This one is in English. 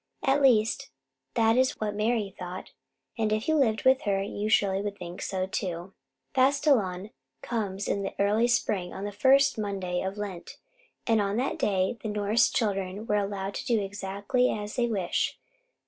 At least, that is what Mari thought, and if you lived with her you would surely think so too. Fastilevn comes in the early spring, on the first Monday of Lent, and on that day the Norse children are allowed to do exactly as they wish.